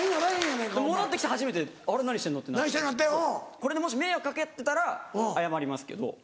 これでもし迷惑かけてたら謝りますけど。